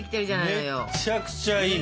めっちゃくちゃいい。